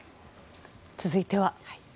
続いては。